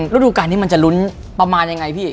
ฤดูการนี้มันจะลุ้นประมาณยังไงพี่